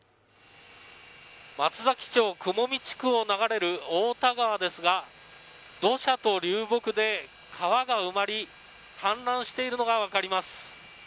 松坂町雲見地区を流れる太田川ですが土砂と流木で川が埋まり、氾濫しているのが分かります。